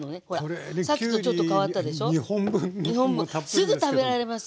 すぐ食べられますよ。